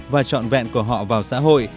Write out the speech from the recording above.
và trọn vẹn của họ vào xã hội